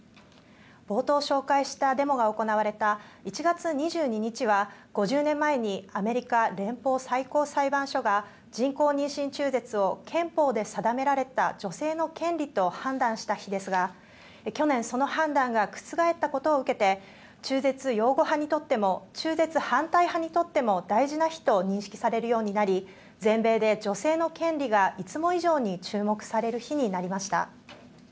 冒頭紹介したデモが行われた１月２２日は５０年前にアメリカ連邦最高裁判所が人工妊娠中絶を憲法で定められた女性の権利と判断した日ですが去年その判断が覆ったことを受けて中絶擁護派にとっても中絶反対派にとっても大事な日と認識されるようになり全米で女性の権利がいつも以上に注目される日になりました。